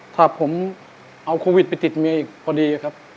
ถ้าผมเอาโควิดไปติดเมียอีกพอดีครับ